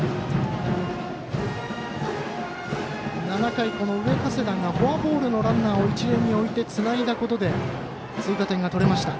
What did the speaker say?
７回、上加世田がフォアボールのランナーを一塁に置いてつないだことで追加点が取れました。